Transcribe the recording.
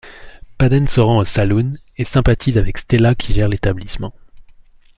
Paden se rend au saloon, et sympathise avec Stella qui gère l'établissement.